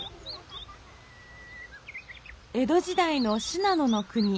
江戸時代の信濃の国